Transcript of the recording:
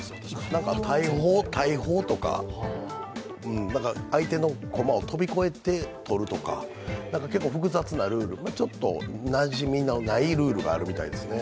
大砲とか、相手の駒を飛び越えてとるとか、結構複雑なルール、なじみのないルールみたいですね。